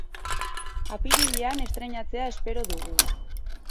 Apirilean estreinatzea espero dugu.